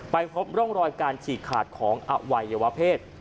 พบร่องรอยการฉีกขาดของอวัยวะเพศ